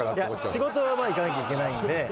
仕事は行かなきゃいけないんで。